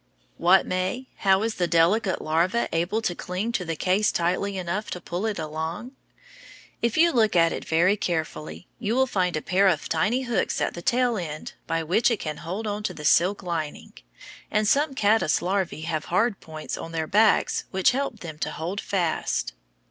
What, May? How is the delicate larva able to cling to the case tightly enough to pull it along? If you look at it very carefully, you will find a pair of tiny hooks at the tail end by which it can hold on to the silk lining; and some caddice larvæ have hard points on their backs which help them to hold fast.